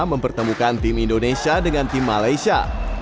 mempertemukan tim indonesia dengan tim malaysia